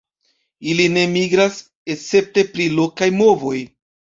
Ili ne migras escepte pri lokaj movoj.